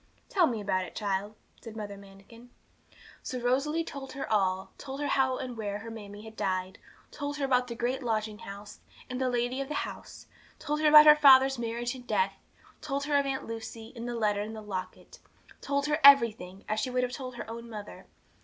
'Tell me all about it, child,' said Mother Manikin. So Rosalie told her all told her how and where her mammie had died; told her about the great lodging house, and the lady of the house; told her about her father's marriage and death; told her of her Aunt Lucy, and the letter and the locket; told her everything, as she would have told her own mother.